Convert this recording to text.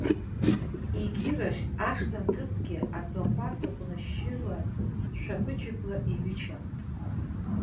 Егьирахь ашҭанҭыҵгьы аӡахәа зыҟәнышьшьылаз шәаԥыџьыԥла иҩычан.